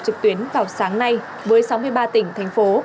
trực tuyến vào sáng nay với sáu mươi ba tỉnh thành phố